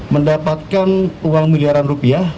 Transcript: mendapatkan uang miliaran rupiah